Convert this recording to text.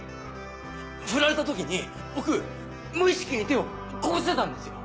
フラれた時に僕無意識に手をこうしてたんですよ。